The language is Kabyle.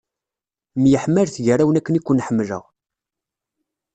Myeḥmalet gar-awen akken i ken-ḥemmleɣ.